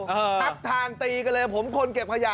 ทับทางตีกันเลยผมคนเก็บขยะ